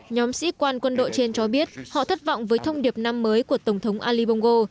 nhóm sĩ quan quân đội trên cho biết họ thất vọng với thông điệp năm mới của tổng thống ali bongo